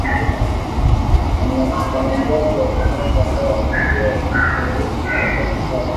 wanamgambo wa Uganda ambao wamekuwa wakiendesha harakati zao